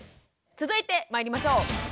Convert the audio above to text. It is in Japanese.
続いてまいりましょう。